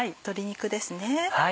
鶏肉ですね。